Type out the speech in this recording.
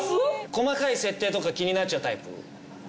細かい設定とか気になっちゃうタイプあ